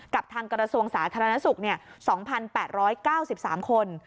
กับทางกรสวงศาสนธนสุข๒๘๙๓คน